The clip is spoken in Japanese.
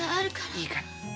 いいから。